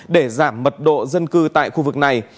để giảm mật độ dân cư tại khu vực này